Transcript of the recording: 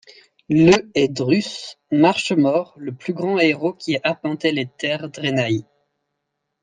Le est Druss, Marche-Mort, le plus grand héros qui ait arpenté les terres drenaï.